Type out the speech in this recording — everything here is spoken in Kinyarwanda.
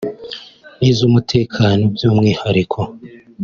n’iz’umutekano by’umwihariko